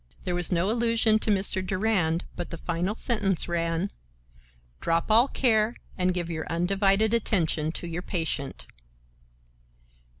There was no allusion to Mr. Durand but the final sentence ran: "Drop all care and give your undivided attention to your patient."